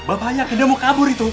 bapak ayah dia mau kabur itu